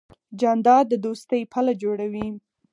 جانداد د دوستۍ پله جوړوي.